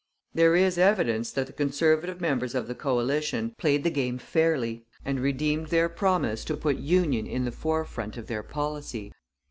There is evidence that the Conservative members of the coalition played the game fairly and redeemed their promise to put union in the forefront of their policy.